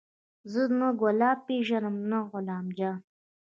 زه نه ګلاب پېژنم نه غلام جان.